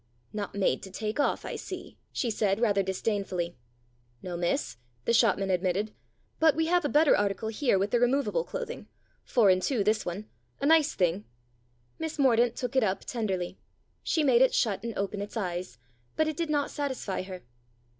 " Not made to take off, I see," she said rather disdainfully. " No, miss," the shopman admitted ;" but we have a better article here with the removable clothing. Four and two this one. A nice thing." Miss Mordaunt took it up tenderly. She made it shut and open its eyes ; but it did not satisfy her.